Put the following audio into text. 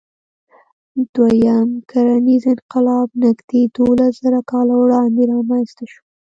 دوهیم کرنیز انقلاب نږدې دولسزره کاله وړاندې رامنځ ته شو.